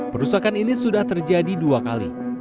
perusakan ini sudah terjadi dua kali